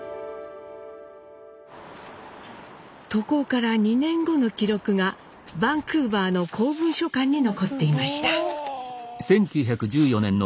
渡航から２年後の記録がバンクーバーの公文書館に残っていました。